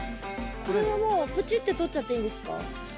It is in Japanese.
これはもうプチッてとっちゃっていいんですか？